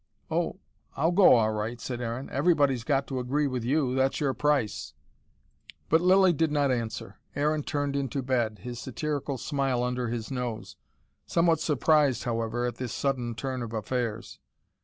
"Oh, I'll go all right," said Aaron. "Everybody's got to agree with you that's your price." But Lilly did not answer. Aaron turned into bed, his satirical smile under his nose. Somewhat surprised, however, at this sudden turn of affairs.